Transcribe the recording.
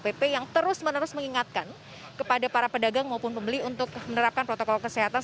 bp yang terus menerus mengingatkan kepada para pedagang maupun pembeli untuk menerapkan protokol kesehatan